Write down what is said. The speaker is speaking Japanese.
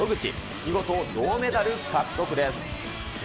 見事、銅メダル獲得です。